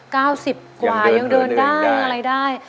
ก้าวสิบกว่ายังเดินได้